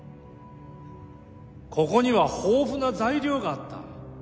ここには豊富な材料があった